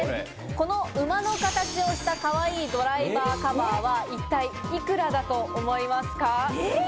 この馬の形をした、かわいいドライバーカバーは一体幾らだと思いますか。